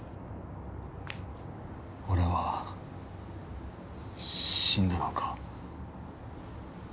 俺は死んだのか？